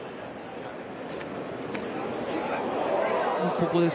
ここです